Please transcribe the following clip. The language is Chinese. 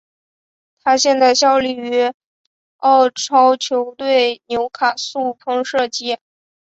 他现在效力于澳超球队纽卡素喷射机。